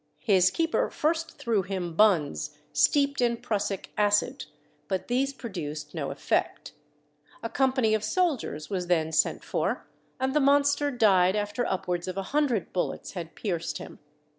His keeper first threw him buns steeped in prussic acid, but these produced no effect. A company of soldiers was then sent for, and the monster died after upwards of a hundred bullets had pierced him.